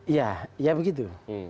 ya ya begitu